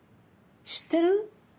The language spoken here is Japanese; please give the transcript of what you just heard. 知ってる？